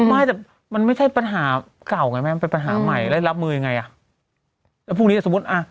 ไม่แต่มันไม่ใช่ปัญหาเก่าไงแม่มันเป็นปัญหาใหม่แล้วรับมือยังไงอ่ะแล้วพรุ่งนี้สมมุติอ่ะ